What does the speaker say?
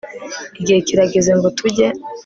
igihe kirageze ngo tujye